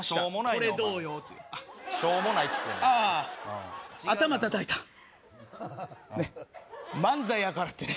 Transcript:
これどうよー？というしょうもないって言ってんのああ頭叩いた漫才やからってね